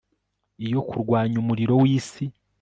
iyo, kurwanya umuriro wisi